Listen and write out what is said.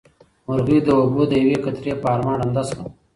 مرغۍ د اوبو د یوې قطرې په ارمان ړنده شوه.